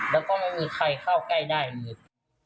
แล้วก็ไม่มีใครเข้าใกล้ได้เลย